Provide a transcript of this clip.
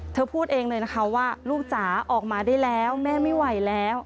เธอพูดเองเลยนะคะว่าลูกจ๋าออกมาได้แล้วแม่ไม่ไหวแล้ว